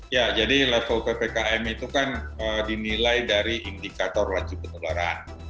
ya jadi level ppkm itu kan dinilai dari indikator laju penularan